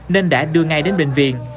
nên đã đưa ngay đến bệnh viện